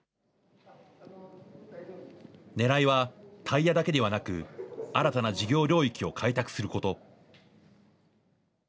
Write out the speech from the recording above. ねらいは、タイヤだけではなく、新たな事業領域を開拓すること。